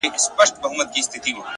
گراني فريادي دي بـېــگـــاه وويل’